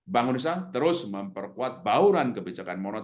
bank indonesia terus memperkuat bauran kebijakan moral